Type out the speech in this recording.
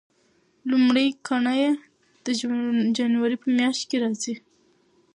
لومړۍ ګڼه یې د جنوري په میاشت کې راځي.